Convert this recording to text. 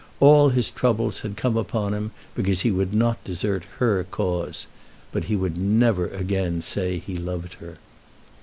All his troubles had come upon him because he would not desert her cause, but he would never again say he loved her.